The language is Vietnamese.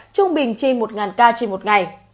trung bình trên một ca trên một ngày